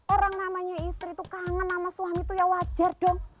orang namanya istri itu kangen sama suami itu ya wajar dong